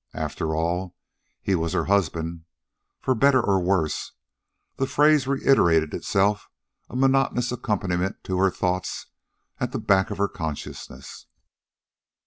After all, he was her husband. FOR BETTER OR WORSE the phrase reiterated itself, a monotonous accompaniment to her thoughts, at the back of her consciousness.